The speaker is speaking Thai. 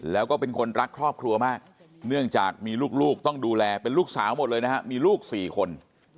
แล้วก็เป็นคนรักครอบครัวมากเนื่องจากมีลูกต้องดูแลเป็นลูกสาวหมดเลยนะฮะมีลูก๔คน